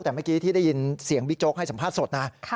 แต่เมื่อกี้ที่ได้ยินเสียงบิ๊กโจ๊กให้สัมภาษณ์สดนะ